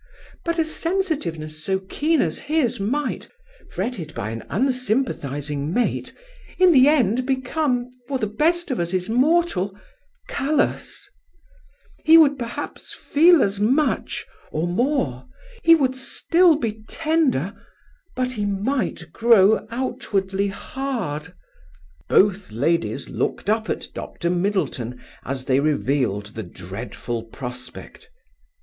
" But a sensitiveness so keen as his might "" Fretted by an unsympathizing mate "" In the end become, for the best of us is mortal "" Callous!" " He would feel perhaps as much "" Or more! "" He would still be tender "" But he might grow outwardly hard!" Both ladies looked up at Dr. Middleton, as they revealed the dreadful prospect.